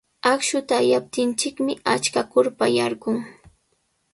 Akshuta allaptinchikmi achka kurpa yarqun.